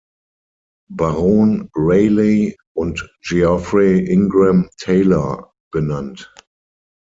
Baron Rayleigh, und Geoffrey Ingram Taylor benannt.